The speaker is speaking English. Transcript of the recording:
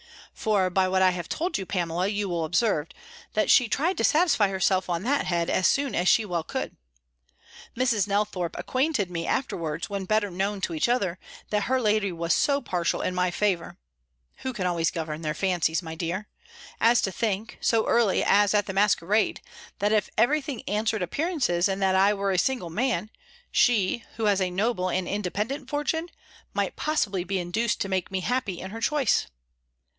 For, by what I have told you, Pamela, you will observe, that she tried to satisfy herself on that head, as soon as she well could. Mrs. Nelthorpe acquainted me afterwards, when better known to each other, that her lady was so partial in my favour, (who can always govern their fancies, my dear?) as to think, so early as at the masquerade, that if every thing answered appearances, and that I were a single man, she, who has a noble and independent fortune, might possibly be induced to make me happy in her choice.